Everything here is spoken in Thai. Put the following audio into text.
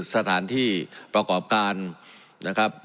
สถานที่ประกอบการนะครับ